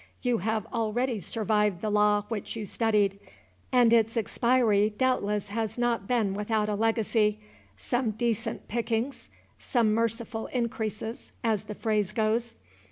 You have already survived the law which you studied, and its expiry doubtless has not been without a legacy—some decent pickings, some merciful increases, as the phrase goes.